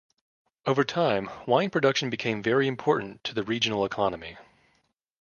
Over time, wine production became very important to the regional economy.